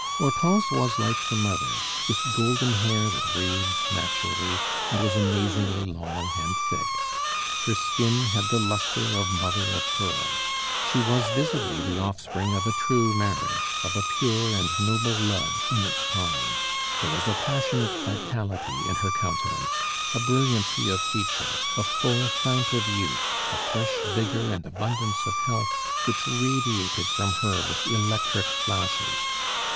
Hortense was like her mother, with golden hair that waved naturally, and was amazingly long and thick. Her skin had the lustre of mother of pearl. She was visibly the offspring of a true marriage, of a pure and noble love in its prime. There was a passionate vitality in her countenance, a brilliancy of feature, a full fount of youth, a fresh vigor and abundance of health, which radiated from her with electric flashes.